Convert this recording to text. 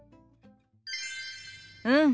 うん。